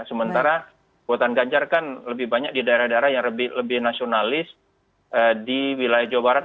sementara buatan ganjar kan lebih banyak di daerah daerah yang lebih nasionalis di wilayah jawa barat